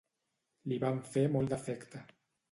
Li van fer molt d'efecte.